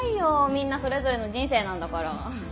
みんなそれぞれの人生なんだから。